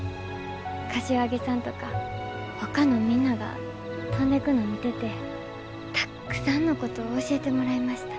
柏木さんとかほかのみんなが飛んでくの見ててたっくさんのことを教えてもらいました。